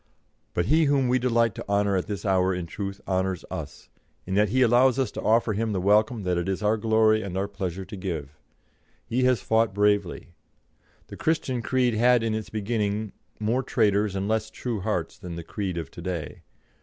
But he whom we delight to honour at this hour in truth honours us, in that he allows us to offer him the welcome that it is our glory and our pleasure to give. He has fought bravely. The Christian creed had in its beginning more traitors and less true hearts than the creed of to day.